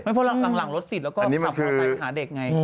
ไม่เพราะหลังรถติดแล้วก็ขับมาไตล์หาเด็กไง